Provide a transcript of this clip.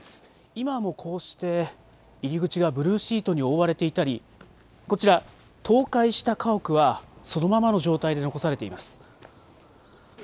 今もこうして入り口がブルーシートに覆われていたり、こちら、倒壊した家屋はそのままの状態で残されています。